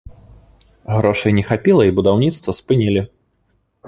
Грошай не хапіла і будаўніцтва спынілі.